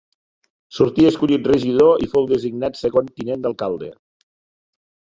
Sortí escollit regidor i fou designat segon tinent d'alcalde.